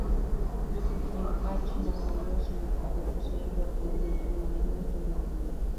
Jinpachi no murió, sino que fue poseído por un ente maligno y sobrevivió.